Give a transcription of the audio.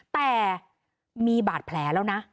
แต่มีบาดแผลแล้วนะ